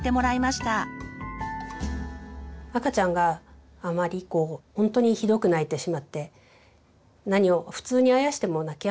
赤ちゃんがあまりこうほんとにひどく泣いてしまって普通にあやしても泣きやまない時はですね